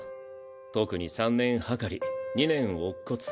特に３年秤２年乙骨。